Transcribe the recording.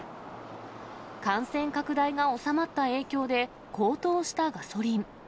感染拡大が収まった影響で、高騰したガソリン。